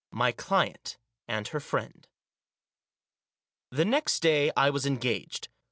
MY CLIENT— AND HER FRIEND. The next day I was engaged.